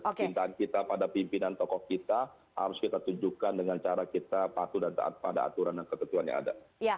kecintaan kita pada pimpinan tokoh kita harus kita tunjukkan dengan cara kita patuh dan taat pada aturan dan ketentuan yang ada